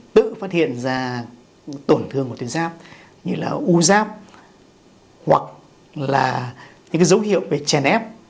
tự phát hiện ra tổn thương của tuyến giáp như là u ráp hoặc là những dấu hiệu về chèn ép